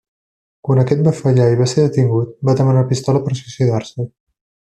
Quan aquest va fallar, i va ser detingut, va demanar una pistola per suïcidar-se.